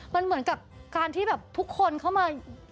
มันเหมือนกับการที่แบบทุกคนเข้ามา